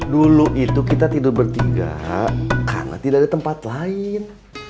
dulu itu kita tidur bertiga karena tidak ada tempat lain